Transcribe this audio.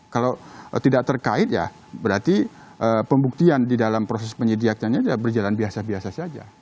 kalau tidak terkait ya berarti pembuktian di dalam proses penyidikannya sudah berjalan biasa biasa saja